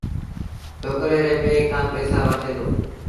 ڇوڪري ري پي کآݩ پئيٚسآ وٺي دو۔